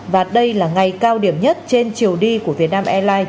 và đây là ngày cao điểm nhất trên chiều đi của việt nam airlines